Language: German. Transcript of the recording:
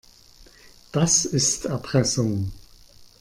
Das ist Erpressung.